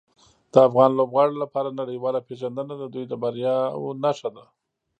د افغان لوبغاړو لپاره نړیواله پیژندنه د دوی د بریاوو نښه ده.